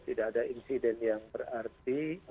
tidak ada insiden yang berarti